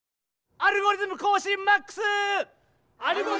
「アルゴリズムこうしんＭＡＸ」！